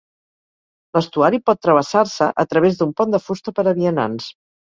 L'estuari pot travessar-se a través d'un pont de fusta per a vianants.